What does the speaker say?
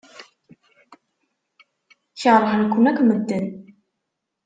Keṛhen-ken akk medden.